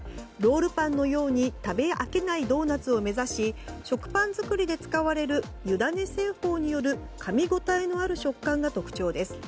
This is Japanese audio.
ロールパンのように食べ飽きないドーナツを目指し食パン作りで使われる湯種製法によるかみ応えのある食感が特徴です。